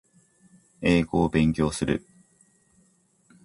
英語を勉強する